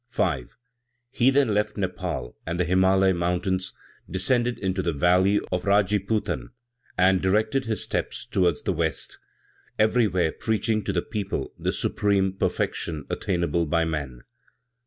5. He then left Nepaul and the Himalaya mountains, descended into the valley of Radjipoutan and directed his steps toward the West, everywhere preaching to the people the supreme perfection attainable by man; 6.